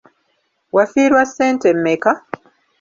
Wafiirwa ssente mmeka?